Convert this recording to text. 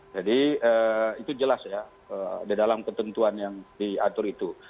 itu jelas ya di dalam ketentuan yang diatur itu